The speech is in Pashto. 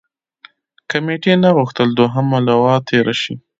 کمېټې نه غوښتل دوهمه لواء تېره شي.